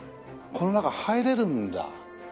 この中入れるんだ。